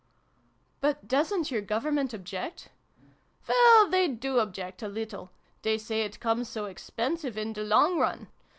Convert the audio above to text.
" But doesn't your Government object ?" "Well, they do object, a little. They say it comes so expensive, in the long run.